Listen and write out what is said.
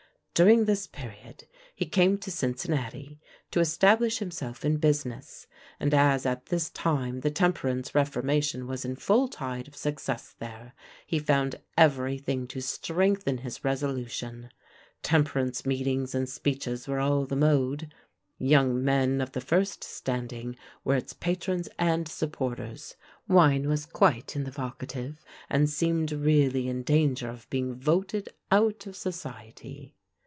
During this period he came to Cincinnati to establish himself in business, and as at this time the temperance reformation was in full tide of success there, he found every thing to strengthen his resolution; temperance meetings and speeches were all the mode; young men of the first standing were its patrons and supporters; wine was quite in the vocative, and seemed really in danger of being voted out of society.